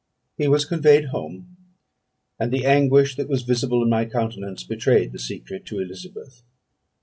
"He was conveyed home, and the anguish that was visible in my countenance betrayed the secret to Elizabeth.